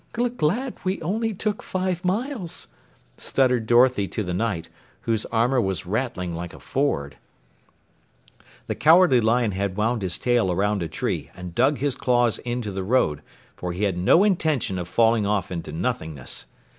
"G g glad we only took five miles," stuttered Dorothy to the Knight, whose armor was rattling like a Ford. The Cowardly Lion had wound his tail around a tree and dug his claws into the road, for he had no intention of falling off into nothingness.